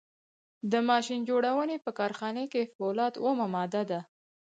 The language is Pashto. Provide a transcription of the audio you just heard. د ماشین جوړونې په کارخانه کې فولاد اومه ماده ده.